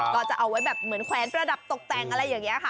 ก็จะเอาไว้แบบเหมือนแขวนประดับตกแต่งอะไรอย่างนี้ค่ะ